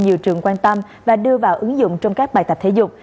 nhiều trường quan tâm và đưa vào ứng dụng trong các bài tập thể dục